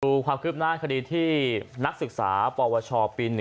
ดูความคืบหน้าคดีที่นักศึกษาปวชปี๑